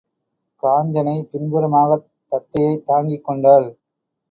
காஞ்சனை பின்புறமாகத் தத்தையைத் தாங்கிக் கொண்டாள்.